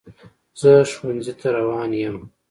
زه ښوونځي ته روان یم.